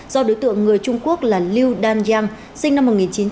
do đối tượng người trung quốc là liu dan yang sinh năm một nghìn chín trăm chín mươi hai